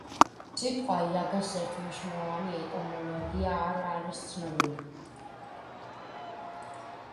სიტყვა იაგას ერთმნიშვნელოვანი ეტიმოლოგია არ არის ცნობილი.